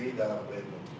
di dalam bnu